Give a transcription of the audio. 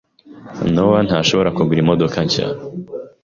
Nowa ntashobora kugura imodoka nshya.